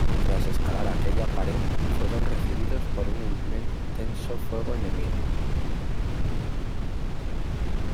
Tras escalar aquella pared, fueron recibidos por un intenso fuego enemigo.